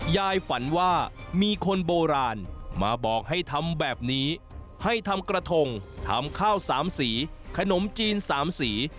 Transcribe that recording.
ฝันว่ามีคนโบราณมาบอกให้ทำแบบนี้ให้ทำกระทงทำข้าวสามสีขนมจีน๓สี